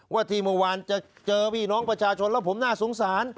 ว่าที่เมื่อวานจะเจอพี่น้องประชาชนแล้วผมน่าสงสาร